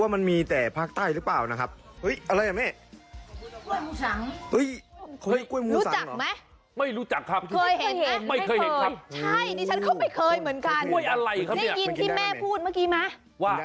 ใช่นี่ฉันเขาไม่เคยเหมือนกันได้ยินที่แม่พูดเมื่อกี้ไหมว่า